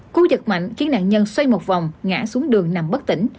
cú giật mạnh khiến nạn nhân xoay một vòng ngã xuống đường nằm bất tỉnh